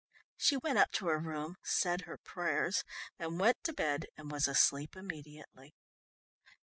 She went up to her room, said her prayers and went to bed and was asleep immediately.